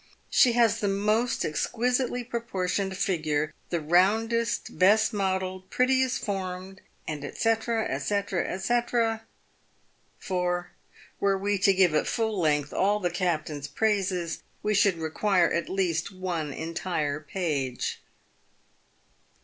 She has the most exquisitely proportioned figure, the roundest, best modelled, prettiest formed," &c, &c, &c, for, were we to give at full length all the captain's praises, we should require at least one entire page.